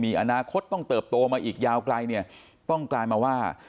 มีอนาคตต้องเติบโตมาอีกยาวไกลเนี่ยต้องกลายมาว่า